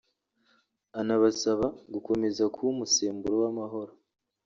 anabasaba gukomeza kuba umusemburo w’amahoro